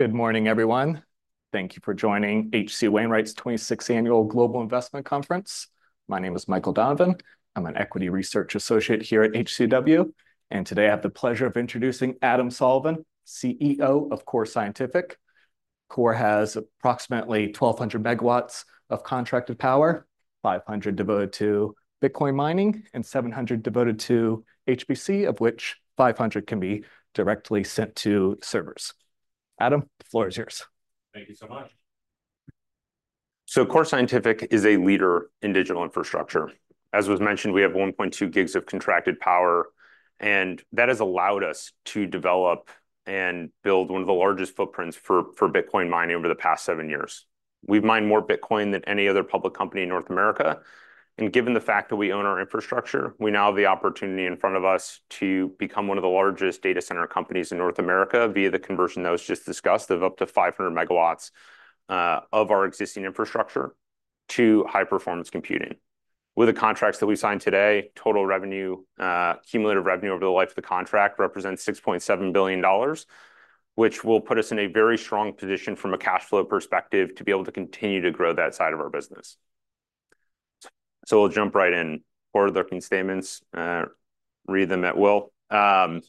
Good morning, everyone. Thank you for joining H.C. Wainwright's twenty-sixth Annual Global Investment Conference. My name is Michael Donovan. I'm an equity research associate here at HCW, and today I have the pleasure of introducing Adam Sullivan, CEO of Core Scientific. Core has approximately twelve hundred MW of contracted power, five hundred devoted to Bitcoin mining and seven hundred devoted to HPC, of which five hundred can be directly sent to servers. Adam, the floor is yours. Thank you so much. So Core Scientific is a leader in digital infrastructure. As was mentioned, we have one point two gigs of contracted power, and that has allowed us to develop and build one of the largest footprints for Bitcoin mining over the past seven years. We've mined more Bitcoin than any other public company in North America, and given the fact that we own our infrastructure, we now have the opportunity in front of us to become one of the largest data center companies in North America via the conversion that was just discussed of up to 500 MW of our existing infrastructure to high-performance computing. With the contracts that we signed today, total revenue, cumulative revenue over the life of the contract represents $6.7 billion, which will put us in a very strong position from a cash flow perspective, to be able to continue to grow that side of our business. So we'll jump right in. Forward-looking statements, read them at will. So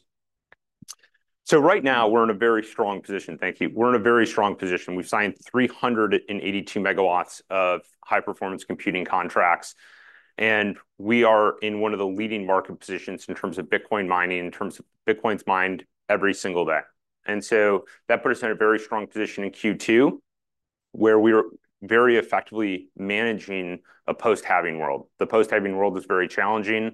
right now, we're in a very strong position. Thank you. We're in a very strong position. We've signed 382 MW of high-performance computing contracts, and we are in one of the leading market positions in terms of Bitcoin mining, in terms of bitcoins mined every single day. And so that put us in a very strong position in Q2, where we were very effectively managing a post-halving world. The post-halving world is very challenging,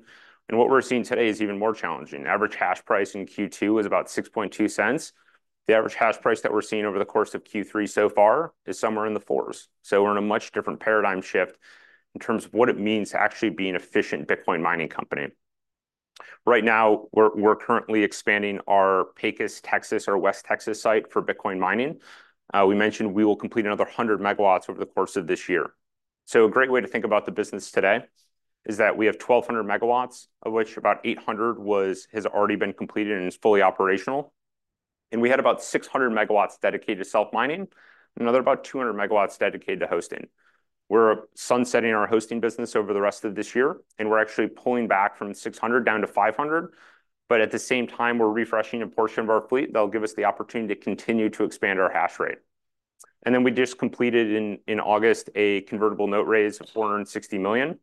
and what we're seeing today is even more challenging. Average hash price in Q2 was about $0.062. The average hash price that we're seeing over the course of Q3 so far is somewhere in the fours, so we're in a much different paradigm shift in terms of what it means to actually be an efficient Bitcoin mining company. Right now, we're currently expanding our Pecos, Texas, our West Texas site for Bitcoin mining. We mentioned we will complete another 100 MW over the course of this year, so a great way to think about the business today is that we have 1,200 MW, of which about 800 has already been completed and is fully operational. And we had about 600 MW dedicated to self-mining, another about 200 MW dedicated to hosting. We're sunsetting our hosting business over the rest of this year, and we're actually pulling back from 600 down to 500, but at the same time, we're refreshing a portion of our fleet. That'll give us the opportunity to continue to expand our hash rate, and then we just completed in August a convertible note raise of $460 million.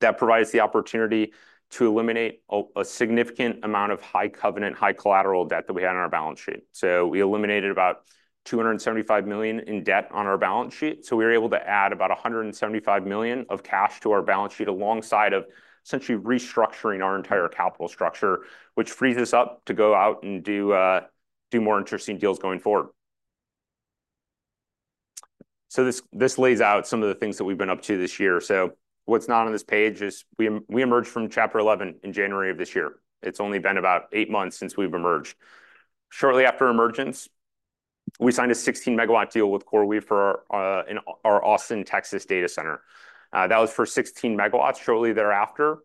That provides the opportunity to eliminate a significant amount of high covenant, high collateral debt that we had on our balance sheet, so we eliminated about $275 million in debt on our balance sheet, so we were able to add about $175 million of cash to our balance sheet, alongside of essentially restructuring our entire capital structure, which frees us up to go out and do more interesting deals going forward. This lays out some of the things that we've been up to this year. What's not on this page is we emerged from Chapter 11 in January of this year. It's only been about eight months since we've emerged. Shortly after emergence, we signed a 16-MW deal with CoreWeave for our in our Austin, Texas, data center. That was for 16 MW. Shortly thereafter,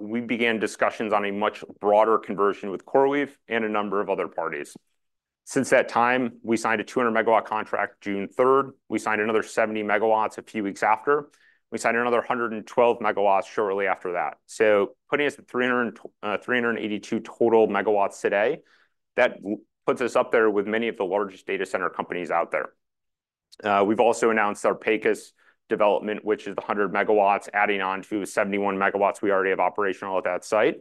we began discussions on a much broader conversion with CoreWeave and a number of other parties. Since that time, we signed a 200-MW contract June third. We signed another 70 MW a few weeks after. We signed another 112 MW shortly after that. Putting us at 382 total MW today, that puts us up there with many of the largest data center companies out there. We've also announced our Pecos development, which is the 100 MW, adding on to the 71 MW we already have operational at that site,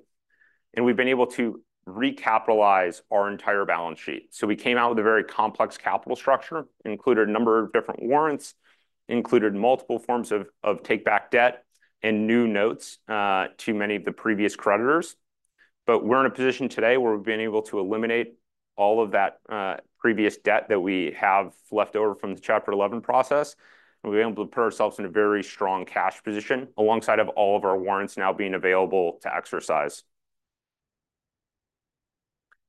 and we've been able to recapitalize our entire balance sheet, so we came out with a very complex capital structure, included a number of different warrants, included multiple forms of take-back debt and new notes to many of the previous creditors, but we're in a position today where we've been able to eliminate all of that previous debt that we have left over from the Chapter 11 process, and we're able to put ourselves in a very strong cash position alongside of all of our warrants now being available to exercise,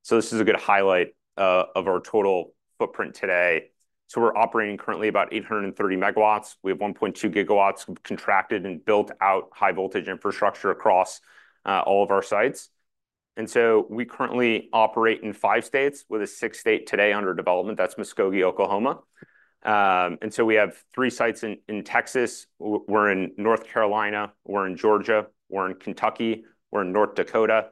so this is a good highlight of our total footprint today, so we're operating currently about 830 MW. We have 1.2 GW contracted and built out high-voltage infrastructure across all of our sites. And so we currently operate in five states, with a sixth state today under development. That's Muskogee, Oklahoma. And so we have three sites in Texas, we're in North Carolina, we're in Georgia, we're in Kentucky, we're in North Dakota,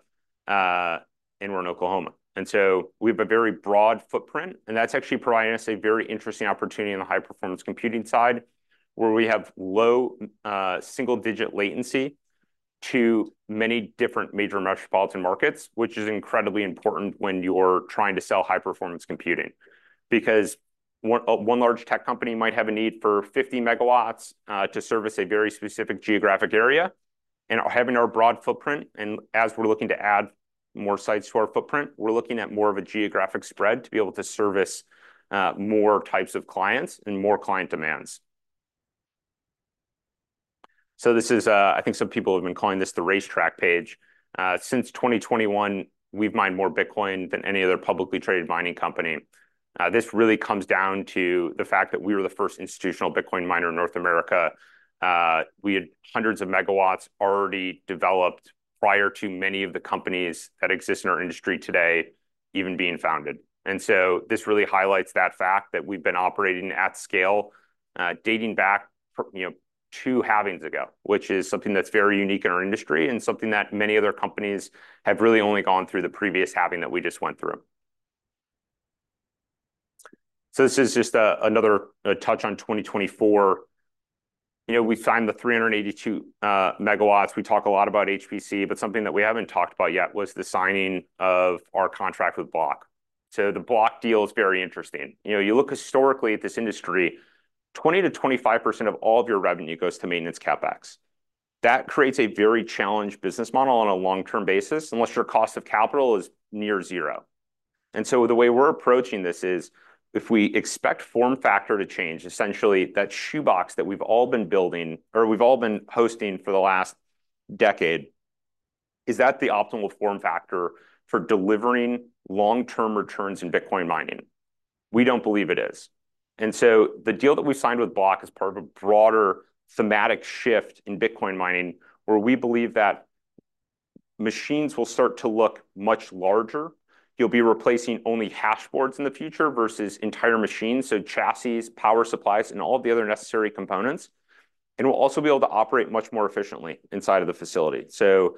and we're in Oklahoma. And so we have a very broad footprint, and that's actually providing us a very interesting opportunity in the high-performance computing side, where we have low single-digit latency to many different major metropolitan markets, which is incredibly important when you're trying to sell high-performance computing. Because one large tech company might have a need for 50 MW to service a very specific geographic area. Having our broad footprint, and as we're looking to add more sites to our footprint, we're looking at more of a geographic spread to be able to service more types of clients and more client demands. So this is, I think some people have been calling this the racetrack page. Since 2021, we've mined more Bitcoin than any other publicly traded mining company. This really comes down to the fact that we were the first institutional Bitcoin miner in North America. We had hundreds of MW already developed prior to many of the companies that exist in our industry today even being founded. This really highlights that fact that we've been operating at scale, dating back from, you know, two halvings ago, which is something that's very unique in our industry, and something that many other companies have really only gone through the previous halving that we just went through. This is just another touch on 2024. You know, we signed the 382 MW. We talk a lot about HPC, but something that we haven't talked about yet was the signing of our contract with Block. The Block deal is very interesting. You know, you look historically at this industry, 20%-25% of all of your revenue goes to Maintenance CapEx. That creates a very challenged business model on a long-term basis, unless your cost of capital is near zero. And so the way we're approaching this is, if we expect form factor to change, essentially, that shoebox that we've all been building or we've all been hosting for the last decade, is that the optimal form factor for delivering long-term returns in Bitcoin mining? We don't believe it is. And so the deal that we signed with Block is part of a broader thematic shift in Bitcoin mining, where we believe that machines will start to look much larger. You'll be replacing only hash boards in the future versus entire machines, so chassis, power supplies, and all the other necessary components. And we'll also be able to operate much more efficiently inside of the facility. So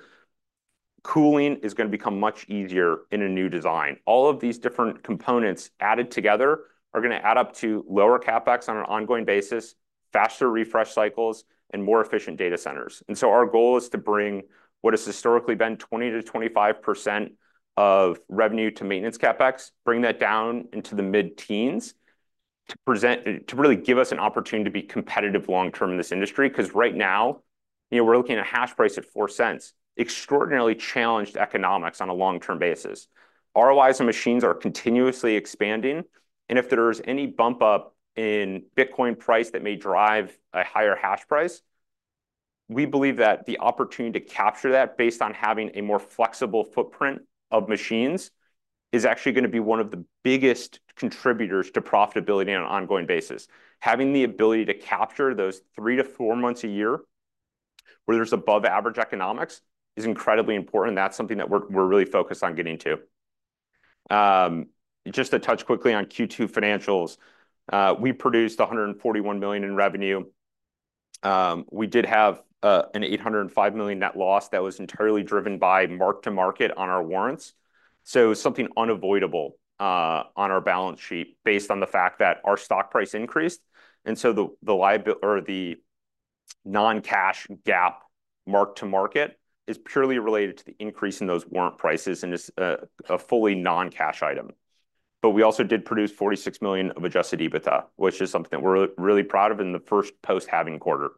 cooling is going to become much easier in a new design. All of these different components added together are going to add up to lower CapEx on an ongoing basis, faster refresh cycles, and more efficient data centers. Our goal is to bring what has historically been 20-25% of revenue to maintenance CapEx, bring that down into the mid-teens, to present, to really give us an opportunity to be competitive long-term in this industry. Because right now, you know, we're looking at a hash price at $0.04. Extraordinarily challenged economics on a long-term basis. ROIs and machines are continuously expanding, and if there's any bump up in Bitcoin price that may drive a higher hash price, we believe that the opportunity to capture that, based on having a more flexible footprint of machines, is actually going to be one of the biggest contributors to profitability on an ongoing basis. Having the ability to capture those three to four months a year, where there's above-average economics, is incredibly important. That's something that we're really focused on getting to. Just to touch quickly on Q2 financials. We produced $141 million in revenue. We did have a $805 million net loss that was entirely driven by mark-to-market on our warrants. So something unavoidable on our balance sheet, based on the fact that our stock price increased, and so the liability or the non-cash GAAP mark-to-market is purely related to the increase in those warrant prices, and is a fully non-cash item. But we also did produce $46 million of Adjusted EBITDA, which is something we're really proud of in the first post-halving quarter.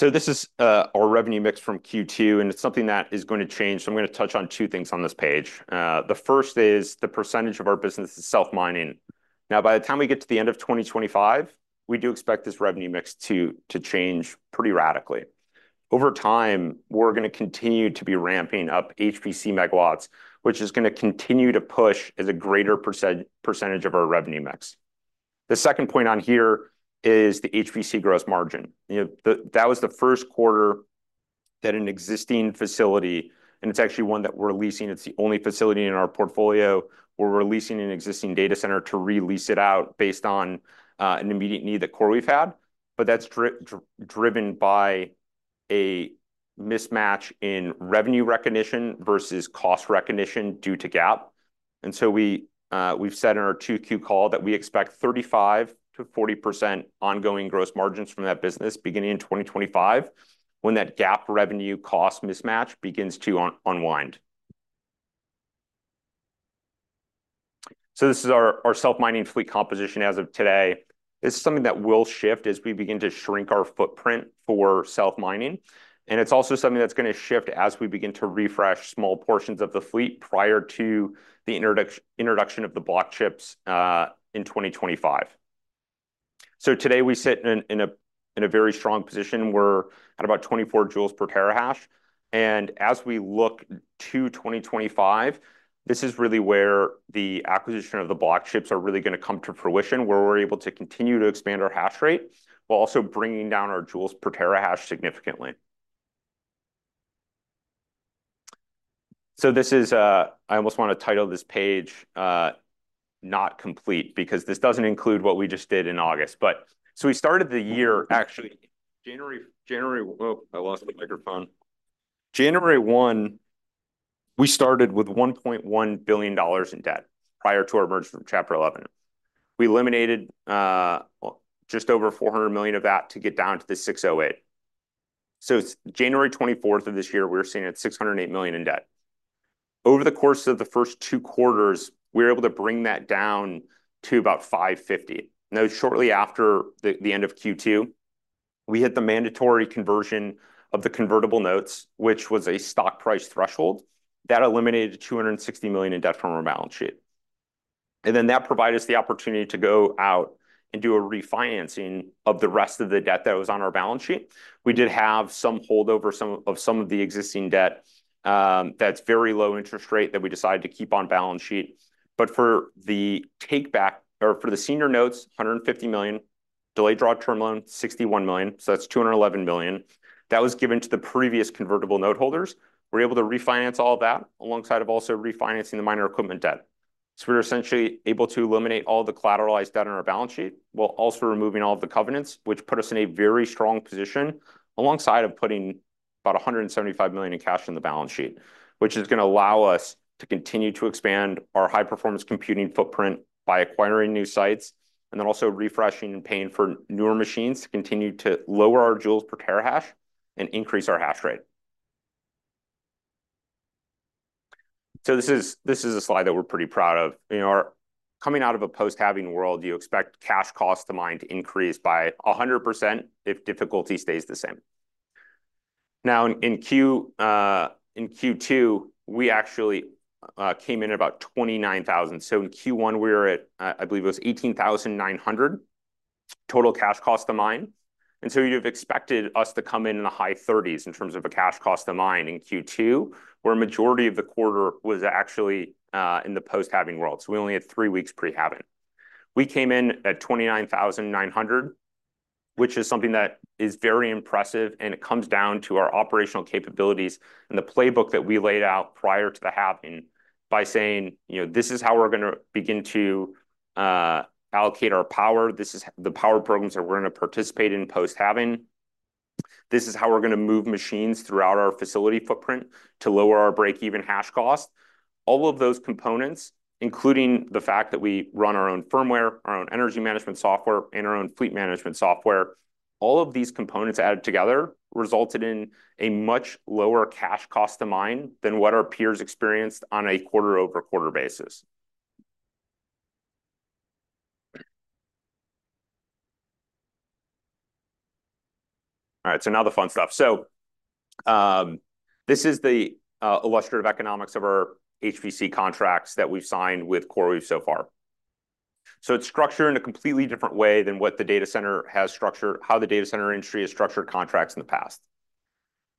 So this is our revenue mix from Q2, and it's something that is going to change. So I'm going to touch on two things on this page. The first is the percentage of our business is self-mining. Now, by the time we get to the end of twenty twenty-five, we do expect this revenue mix to change pretty radically. Over time, we're going to continue to be ramping up HPC MW, which is going to continue to push as a greater percentage of our revenue mix. The second point on here is the HPC gross margin. You know, that was the Q1 that an existing facility, and it's actually one that we're leasing, it's the only facility in our portfolio, we're leasing an existing data center to re-lease it out based on an immediate need that CoreWeave had, but that's driven by a mismatch in revenue recognition versus cost recognition due to GAAP. And so we, we've said in our 2Q call that we expect 35%-40% ongoing gross margins from that business beginning in 2025, when that GAAP revenue cost mismatch begins to unwind. So this is our, our self-mining fleet composition as of today. This is something that will shift as we begin to shrink our footprint for self-mining. It's also something that's going to shift as we begin to refresh small portions of the fleet prior to the introduction of the Block chips in 2025. Today, we sit in a very strong position. We're at about 24 joules per terahash, and as we look to 2025, this is really where the acquisition of the Block chips are really going to come to fruition, where we're able to continue to expand our hash rate, while also bringing down our joules per terahash significantly. This is... I almost want to title this page Not Complete, because this doesn't include what we just did in August. We started the year, actually, January 1, we started with $1.1 billion in debt prior to our emergence from Chapter 11. We eliminated just over $400 million of that to get down to the $608. So January twenty-fourth of this year, we're sitting at $608 million in debt. Over the course of the first two quarters, we were able to bring that down to about $550. Now, shortly after the end of Q2, we hit the mandatory conversion of the convertible notes, which was a stock price threshold. That eliminated $260 million in debt from our balance sheet. And then, that provided us the opportunity to go out and do a refinancing of the rest of the debt that was on our balance sheet. We did have some holdover of some of the existing debt that's very low interest rate that we decided to keep on balance sheet. But for the takeback or for the senior notes, $150 million delayed draw term loan, $61 million, so that's $211 million. That was given to the previous convertible note holders. We're able to refinance all of that, alongside of also refinancing the minor equipment debt. So we're essentially able to eliminate all the collateralized debt on our balance sheet, while also removing all of the covenants, which put us in a very strong position, alongside of putting about $175 million in cash on the balance sheet. Which is gonna allow us to continue to expand our high-performance computing footprint by acquiring new sites, and then also refreshing and paying for newer machines to continue to lower our joules per terahash and increase our hash rate. So this is, this is a slide that we're pretty proud of. You know, coming out of a post-halving world, you expect cash cost to mine to increase by 100% if difficulty stays the same. Now, in Q2, we actually came in at about $29,000. So in Q1, we were at, I believe it was $18,900 total cash cost to mine. And so you'd have expected us to come in in the high 30s in terms of a cash cost to mine in Q2, where a majority of the quarter was actually in the post-halving world. So we only had 3 weeks pre-halving. We came in at $29,900, which is something that is very impressive, and it comes down to our operational capabilities and the playbook that we laid out prior to the halving by saying, "You know, this is how we're gonna begin to, allocate our power. This is the power programs that we're gonna participate in post-halving. This is how we're gonna move machines throughout our facility footprint to lower our break-even hash cost." All of those components, including the fact that we run our own firmware, our own energy management software, and our own fleet management software, all of these components added together resulted in a much lower cash cost to mine than what our peers experienced on a quarter-over-quarter basis. All right, so now the fun stuff. So, this is the illustrative economics of our HPC contracts that we've signed with CoreWeave so far. So it's structured in a completely different way than how the data center industry has structured contracts in the past.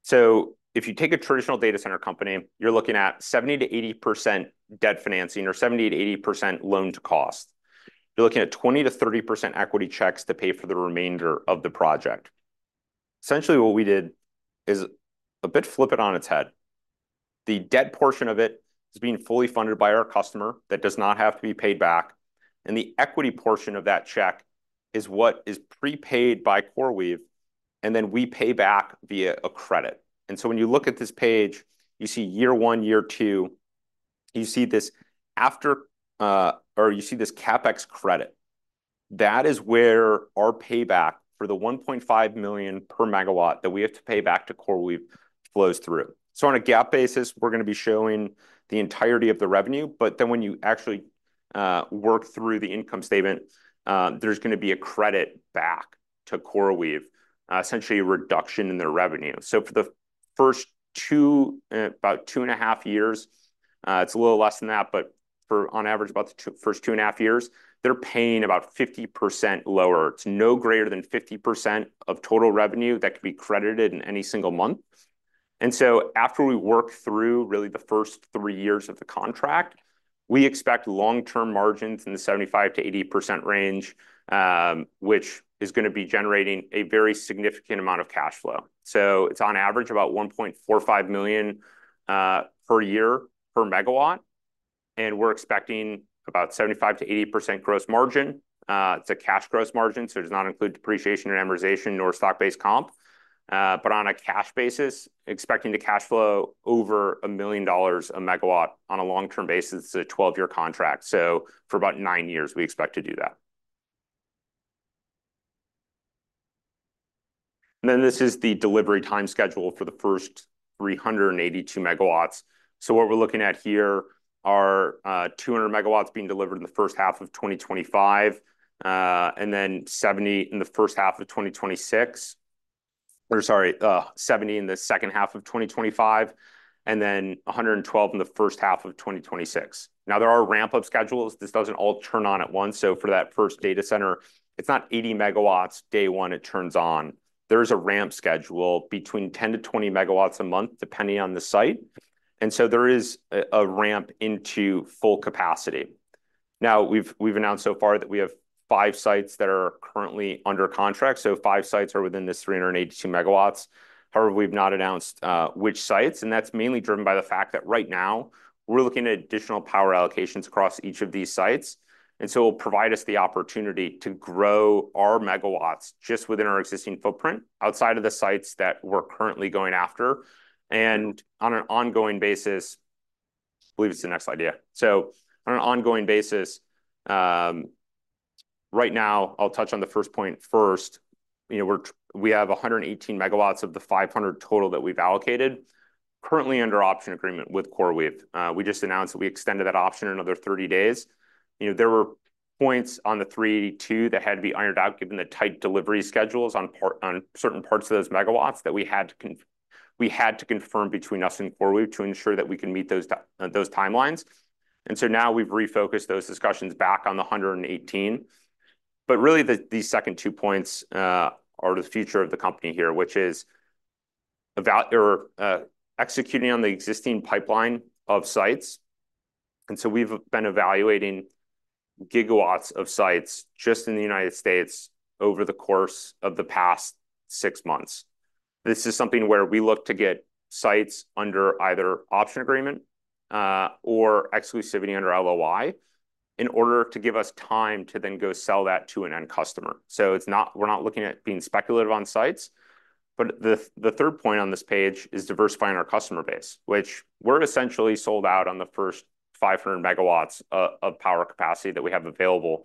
So if you take a traditional data center company, you're looking at 70%-80% debt financing or 70%-80% loan to cost. You're looking at 20%-30% equity checks to pay for the remainder of the project. Essentially, what we did is a bit flip it on its head. The debt portion of it is being fully funded by our customer. That does not have to be paid back. And the equity portion of that check is what is prepaid by CoreWeave, and then we pay back via a credit. And so when you look at this page, you see year one, year two. You see this CapEx credit. That is where our payback for the $1.5 million per MW that we have to pay back to CoreWeave flows through. So on a GAAP basis, we're gonna be showing the entirety of the revenue, but then when you actually work through the income statement, there's gonna be a credit back to CoreWeave, essentially a reduction in their revenue. So for the first two, about two and a half years, it's a little less than that, but for on average, about the first two and a half years, they're paying about 50% lower. It's no greater than 50% of total revenue that could be credited in any single month. And so after we work through really the first 3 years of the contract, we expect long-term margins in the 75%-80% range, which is gonna be generating a very significant amount of cash flow. So it's on average about $1.45 million per year per MW, and we're expecting about 75%-80% gross margin. It's a cash gross margin, so it does not include depreciation and amortization, nor stock-based comp. But on a cash basis, expecting the cash flow over $1 million a MW on a long-term basis, it's a 12-year contract. So for about 9 years, we expect to do that. And then this is the delivery time schedule for the first 382 MW. So what we're looking at here are 200 MW being delivered in the H1 of 2025, and then 70 in the H1 of 2026. Or sorry, 70 in the H2 of 2025, and then 112 in the H1 of 2026. Now, there are ramp-up schedules. This doesn't all turn on at once. So for that first data center, it's not 80 MW day one; it turns on. There's a ramp schedule between 10-20 MW a month, depending on the site, and so there is a ramp into full capacity. Now, we've announced so far that we have five sites that are currently under contract, so five sites are within this 382 MW. However, we've not announced which sites, and that's mainly driven by the fact that right now, we're looking at additional power allocations across each of these sites. And so it will provide us the opportunity to grow our MW just within our existing footprint, outside of the sites that we're currently going after. And on an ongoing basis. I believe it's the next idea. So on an ongoing basis, right now, I'll touch on the first point first. You know, we have a hundred and eighteen MW of the five hundred total that we've allocated, currently under option agreement with CoreWeave. We just announced that we extended that option another thirty days. You know, there were points on the 32 that had to be ironed out, given the tight delivery schedules on certain parts of those MW, that we had to confirm between us and CoreWeave to ensure that we can meet those timelines. And so now we've refocused those discussions back on the 118. But really, these second two points are the future of the company here, which is evaluating or executing on the existing pipeline of sites. And so we've been evaluating GW of sites just in the United States over the course of the past six months. This is something where we look to get sites under either option agreement or exclusivity under LOI, in order to give us time to then go sell that to an end customer. So it's not. We're not looking at being speculative on sites. But the third point on this page is diversifying our customer base, which we're essentially sold out on the first 500 MW of power capacity that we have available.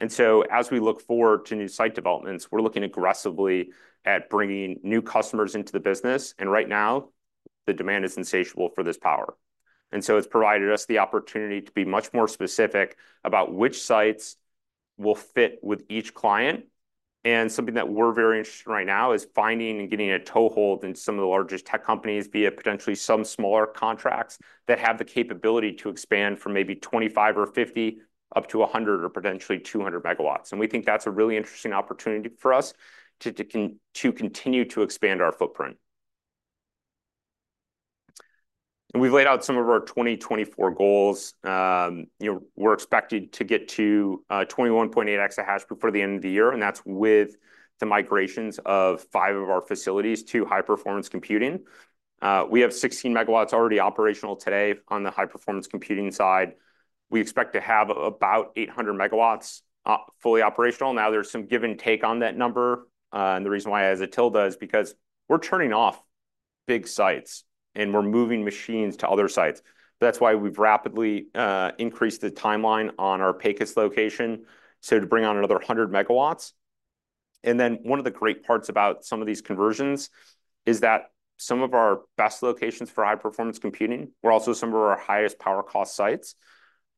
And so as we look forward to new site developments, we're looking aggressively at bringing new customers into the business, and right now, the demand is insatiable for this power. And so it's provided us the opportunity to be much more specific about which sites will fit with each client. And something that we're very interested in right now is finding and getting a toehold in some of the largest tech companies, via potentially some smaller contracts, that have the capability to expand from maybe 25 or 50 up to 100 or potentially 200 MW. We think that's a really interesting opportunity for us to continue to expand our footprint. And we've laid out some of our 2024 goals. You know, we're expected to get to 21.8 exahash before the end of the year, and that's with the migrations of five of our facilities to high-performance computing. We have 16 MW already operational today on the high-performance computing side. We expect to have about 800 MW fully operational. Now, there's some give and take on that number. And the reason why it has a tilde is because we're turning off big sites, and we're moving machines to other sites. That's why we've rapidly increased the timeline on our Pecos location, so to bring on another 100 MW. And then, one of the great parts about some of these conversions is that some of our best locations for high-performance computing were also some of our highest power cost sites,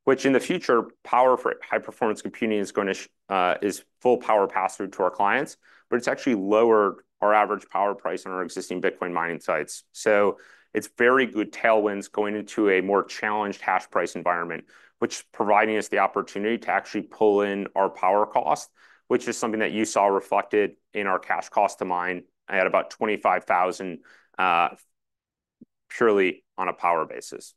which in the future, power for high-performance computing is going to be full power pass-through to our clients, but it's actually lowered our average power price on our existing Bitcoin mining sites. So it's very good tailwinds going into a more challenged hash price environment, which providing us the opportunity to actually pull in our power cost, which is something that you saw reflected in our cash cost to mine at about $25,000, purely on a power basis.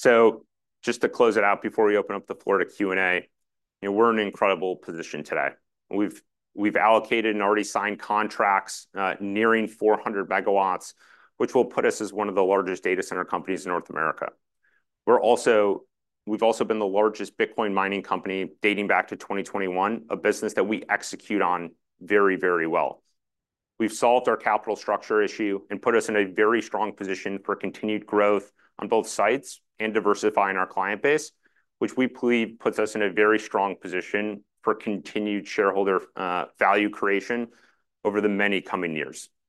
So just to close it out before we open up the floor to Q&A, you know, we're in an incredible position today. We've allocated and already signed contracts nearing 400 MW, which will put us as one of the largest data center companies in North America. We've also been the largest Bitcoin mining company dating back to 2021, a business that we execute on very, very well. We've solved our capital structure issue and put us in a very strong position for continued growth on both sides and diversifying our client base, which we believe puts us in a very strong position for continued shareholder value creation over the many coming years, so with that-